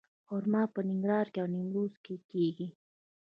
خرما په ننګرهار او نیمروز کې کیږي.